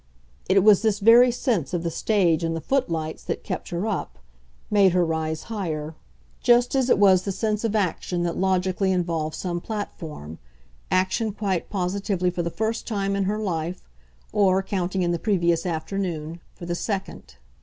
It was this very sense of the stage and the footlights that kept her up, made her rise higher: just as it was the sense of action that logically involved some platform action quite positively for the first time in her life, or, counting in the previous afternoon, for the second.